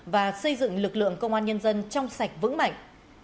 và xây dựng lực lượng công an nhân dân trong sạch vững mạnh